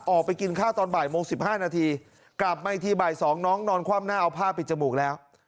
ออกไปกินข้าวตอนบ่ายโมง๑๕นาทีกลับมาอีกทีบ่าย๒น้องนอนคว่ำหน้าเอาผ้าปิดจมูกแล้ว